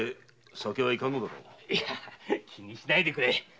気にしないでくれ。